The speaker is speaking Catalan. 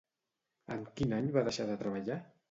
En quin any va deixar de treballar?